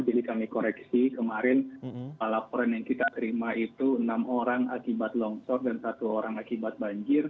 jadi kami koreksi kemarin laporan yang kita terima itu enam orang akibat longsor dan satu orang akibat banjir